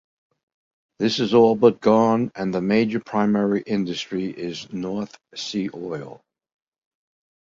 This is all but gone and the major primary industry is North Sea oil.